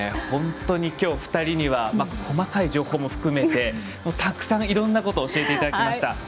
本当に今日、２人には細かい情報も含めてたくさんいろんなことを教えていただきました。